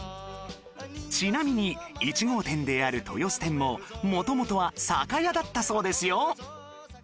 ちなみに１号店である豊洲店も元々は酒屋だったそうですよ